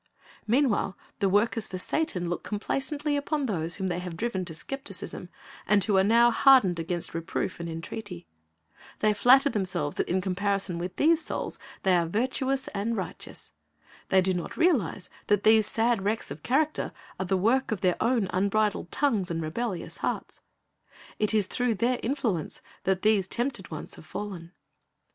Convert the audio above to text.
Meanwhile the workers for Satan look complacently upon those whom they have driven to skepticism, and who are now hardened against reproof and entreaty. They flatter themselves that in comparison with these souls they are virtuous and righteous. They do not realize that these sad wrecks of character are the work of their own unbridled tongues and rebellious hearts. It is through their influence that these tempted ones have fallen.